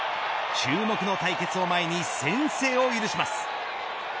注目の対決を前に先制を許します。